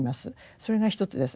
それが一つです。